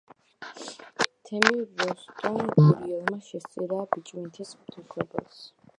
თემი როსტომ გურიელმა შესწირა ბიჭვინთის ღვთისმშობელს.